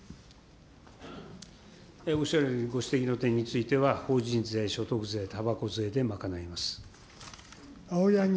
おっしゃるように、ご質問の点については、法人税、所得税、たばこ税で賄います。